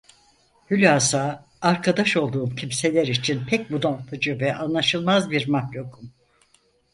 Hulasa arkadaş olduğum kimseler için pek bunaltıcı ve anlaşılmaz bir mahlukum…